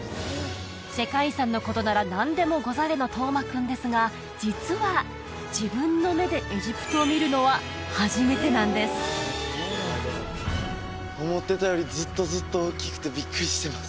世界遺産のことなら何でもござれの登眞君ですが実は自分の目でエジプトを見るのは初めてなんです思ってたよりずっとずっと大きくてビックリしてます